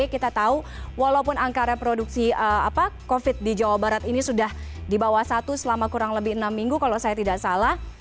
kita tahu walaupun angka reproduksi covid di jawa barat ini sudah di bawah satu selama kurang lebih enam minggu kalau saya tidak salah